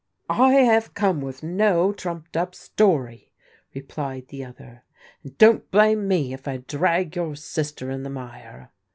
" I have come with no trumped up story," replied the other, " and don't blame me if I drag your sister in the mire."